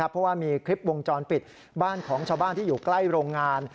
เพราะว่ามีคลิปวงจรปิดบ้านของชาวบ้านที่อยู่ใกล้โรงงาน